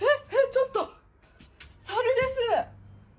ちょっと、サルです。